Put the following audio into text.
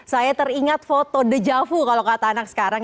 saya teringat foto dejavu kalau kata anak sekarang